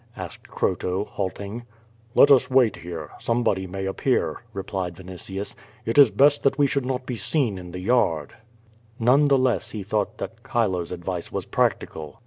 asked Croto, halting. "Let us wait here; somebody may appear," replied Vinitius. "It is best that we should not be seen in the yard." ,y2 Q^^<^ VADIfi. None the less he thought that Chilo's advice was practical.